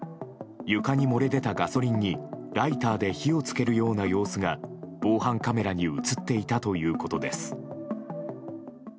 床に漏れ出たガソリンにライターで火をつけるような様子が防犯カメラに映っていたということです。